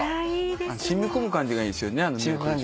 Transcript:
染み込む感じがいいんですよね。